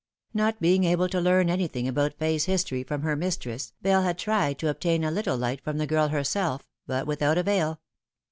Not being able to learn anything about Fay's history from her mistress, Bell had tried to obtain a little light from the girl herself, but without avail.